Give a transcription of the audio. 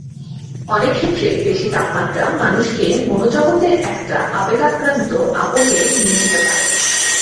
অনেক ক্ষেত্রেই বেশি তাপমাত্রা মানুষকে মনোজগতে একটা আবেগাক্রান্ত আবহে নিয়ে যেতে পারে।